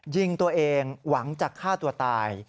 ยิงตัวเองหวังจะฆ่าตัวตาย